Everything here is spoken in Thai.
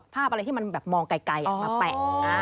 ภาพอะไรที่มันแบบมองไกลมาแปะ